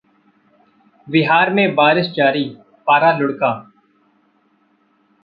बिहार में बारिश जारी, पारा लुढ़का